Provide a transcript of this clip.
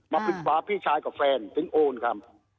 มาฝาพี่ชายกับแฟนทิ้งโอนครับ